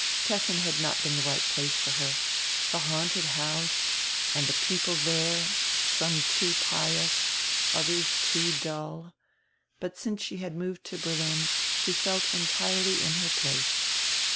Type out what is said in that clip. Kessin had not been the right place for her, the haunted house and the people there, some too pious, others too dull; but since she had moved to Berlin she felt entirely in her place.